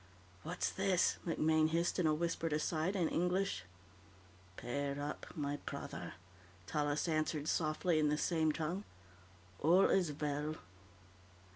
"What's this?" MacMaine hissed in a whispered aside, in English. "Pearr up, my prrotherr," Tallis answered softly, in the same tongue, "all is well."